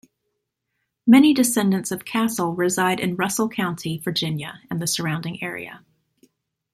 Many descendants of Castle reside in Russell County, Virginia and the surrounding area.